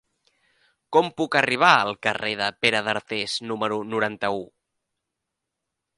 Com puc arribar al carrer de Pere d'Artés número noranta-u?